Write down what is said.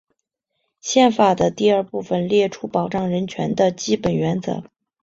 宪章的第二部分列出保障人权的基本原则。